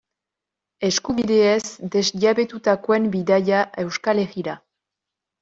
Eskubideez desjabetutakoen bidaia Euskal Herrira.